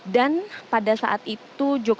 dan pada saat itu jokowi